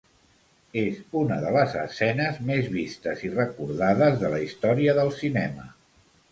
És una de les escenes més vistes i recordades de la història del cinema.